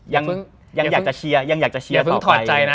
อย่างอยากจะเชียร์อย่างอยากจะเชียร์ต่อไป